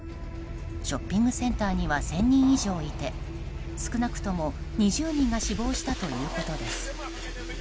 ショッピングセンターには１０００人以上いて少なくとも２０人が死亡したということです。